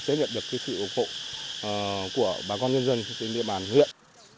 sẽ nhận được sự ủng hộ của bà con nhân dân trên địa bàn huyện